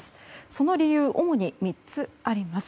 その理由、主に３つあります。